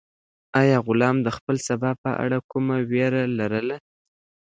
آیا غلام د خپل سبا په اړه کومه وېره لرله؟